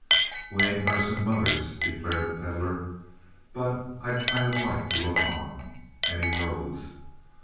"We ain't nursin' mothers," declared the Pedlar. "But I'd kind of like to look on!" And he rose.